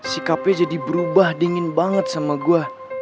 sikapnya jadi berubah dingin banget sama gue